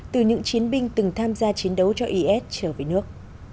từ những chiến binh từng tham gia chiến đấu cho is trở về nước